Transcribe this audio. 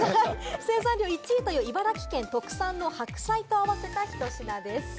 生産量１位という茨城県の特産の白菜とあわせたひと品です。